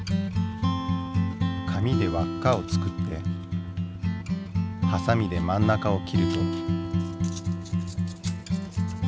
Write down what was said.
紙で輪っかを作ってハサミで真ん中を切ると。